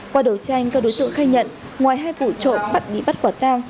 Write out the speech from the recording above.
qua đầu tranh các đối tượng khai nhận ngoài hai vụ trộm bắt bị bắt quả tang